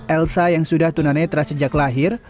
elsa yang sudah tunanetra sejak lahir